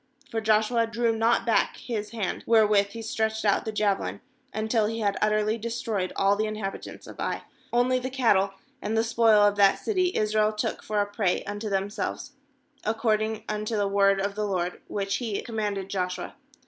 26For Joshua drew not back his hand, wherewith he stretched out the jave lin, until he had utterly destroyed all the inhabitants of Ai. 270nly the cattle and the spoil of that city Israel took for a prey unto themselves, ac cording unto the word of the LORD which He commanded Joshua.